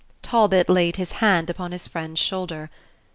Talbot laid his hand upon his friend's shoulder.